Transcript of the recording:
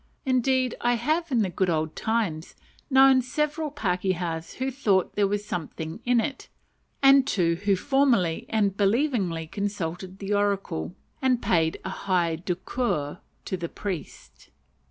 Indeed I have in the good old times known several pakehas who "thought there was something in it," and two who formally and believingly consulted the oracle, and paid a high douceur to the priest.